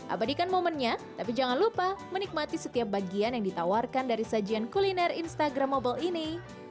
abadikan momennya tapi jangan lupa menikmati setiap bagian yang ditawarkan dari sajian kuliner instagramable ini